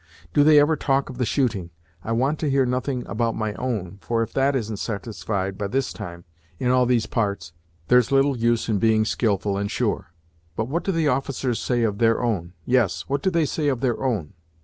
"Do they ever talk of the shooting? I want to hear nothing about my own, for if that isn't sartified to by this time, in all these parts, there's little use in being skilful and sure; but what do the officers say of their own yes, what do they say of their own?